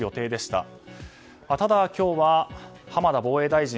ただ、今日は浜田防衛大臣